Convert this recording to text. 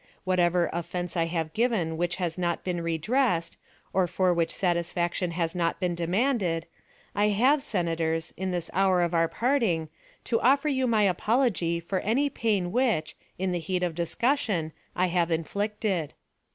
Whatever offense I have given which has not been redressed, or for which satisfaction has not been demanded, I have, Senators, in this hour of our parting, to offer you my apology for any pain which, in the heat of discussion, I have inflicted.